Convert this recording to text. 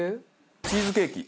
チーズケーキ。